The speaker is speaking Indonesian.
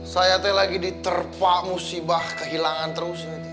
saya itu lagi diterpang si abah kehilangan terus